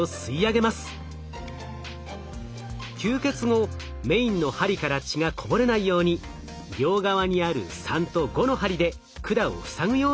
吸血後メインの針から血がこぼれないように両側にある３と５の針で管を塞ぐようにします。